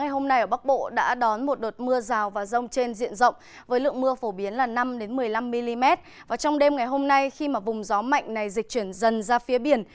hôm đêm ngày hôm nay khi mà vùng gió mạnh này dịch chuyển dần ra phía biển